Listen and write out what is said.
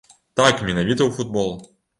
Так, менавіта ў футбол.